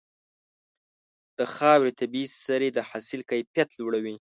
د خاورې طبيعي سرې د حاصل کیفیت لوړوي.